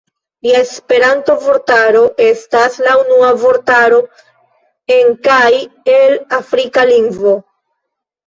Lia Esperanto-vortaro estas la unua vortaro en kaj el afrika lingvo.